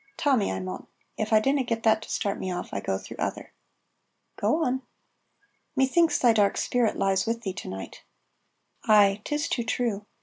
("Tommy, I maun. If I dinna get that to start me off, I go through other.") ("Go on.") "Methinks thy dark spirit lies on thee to night." "Ay, 'tis too true.